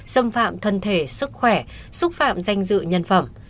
xâm phạm thân thể sức khỏe xúc phạm danh dự nhân phẩm